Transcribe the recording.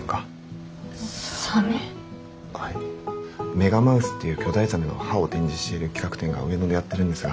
メガマウスっていう巨大ザメの歯を展示している企画展が上野でやってるんですが。